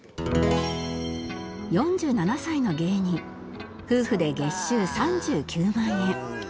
４７歳の芸人夫婦で月収３９万円